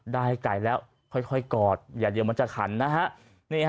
ได้ไก่แล้วค่อยกอดอย่าเดี๋ยวมันจะขันนะฮะ